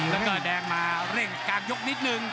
แล้วก็แดงมาเร่งการยกนิดนึง